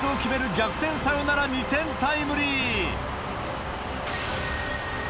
逆転サヨナラ２点タイムリー。